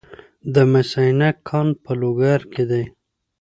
د مس عینک کان په لوګر کې دی